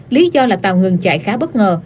lý do là tàu ngừng chạy khá bất ngờ